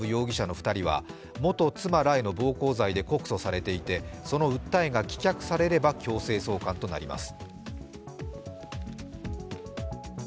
２人は元妻らへの暴行罪で告訴されていてその訴えが棄却されれば強制送還となります。